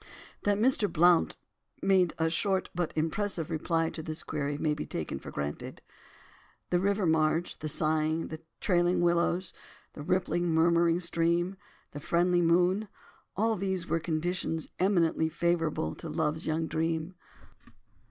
That Mr. Blount made a short but impressive reply to this query may be taken for granted. The river marge, the sighing, trailing willows, the rippling murmuring stream, the friendly moon, all these were conditions eminently favourable to "love's young dream."